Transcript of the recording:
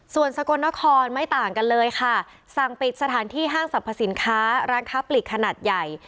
ส่วนสกลนครไม่ต่างกันเลยค่ะสั่งปิดสถานที่ห้างสรรพสินค้าร้านค้าปลีกขนาดใหญ่